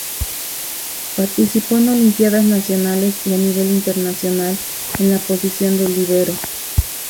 Participó en Olimpiadas Nacionales y a nivel internacional en la posición de líbero.